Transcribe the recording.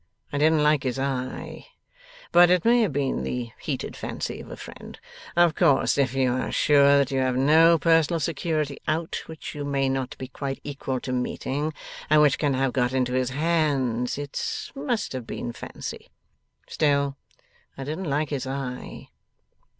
I didn't like his eye. But it may have been the heated fancy of a friend. Of course if you are sure that you have no personal security out, which you may not be quite equal to meeting, and which can have got into his hands, it must have been fancy. Still, I didn't like his eye.